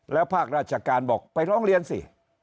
แล้วภาคราชการบอกไปร้องเรียนสิ